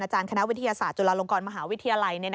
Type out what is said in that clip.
คณะวิทยาศาสตร์จุฬาลงกรมหาวิทยาลัย